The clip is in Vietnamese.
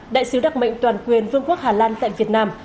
đại sứ đặc mệnh toàn quyền vương quốc hà lan tại việt nam